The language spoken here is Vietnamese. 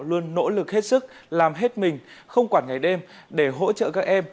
luôn nỗ lực hết sức làm hết mình không quản ngày đêm để hỗ trợ các em